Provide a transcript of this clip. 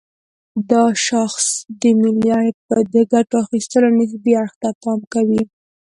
دا شاخص د ملي عاید د ګټه اخيستلو نسبي اړخ ته پام کوي.